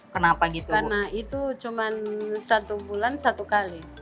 karena itu cuma satu bulan satu kali